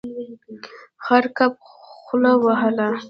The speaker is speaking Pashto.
خړ کب خوله وهله.